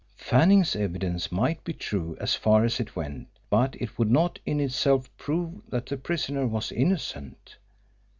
Fanning's evidence might be true as far as it went, but it would not in itself prove that the prisoner was innocent.